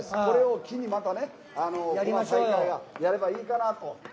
これを機にやればいいかなと。